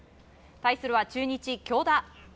対するは中日、京田。